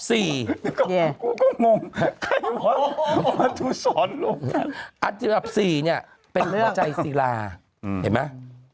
กูก็งงใครว่าลูกกันอันดับ๔เป็นหัวใจธีมศีลาเห็นมั้ย